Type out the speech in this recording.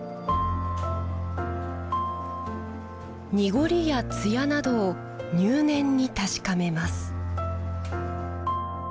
濁りや艶などを入念に確かめます